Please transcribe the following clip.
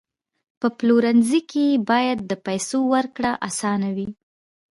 په پلورنځي کې باید د پیسو ورکړه اسانه وي.